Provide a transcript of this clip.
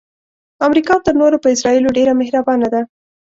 امریکا تر نورو په اسراییلو ډیره مهربانه ده.